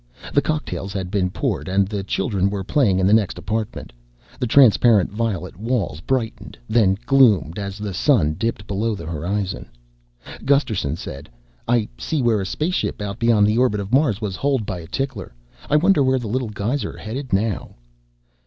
The cocktails had been poured and the children were playing in the next apartment. The transparent violet walls brightened, then gloomed, as the sun dipped below the horizon. Gusterson said, "I see where a spaceship out beyond the orbit of Mars was holed by a tickler. I wonder where the little guys are headed now?"